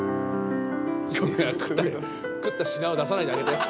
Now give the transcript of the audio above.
食った食った品を出さないであげて。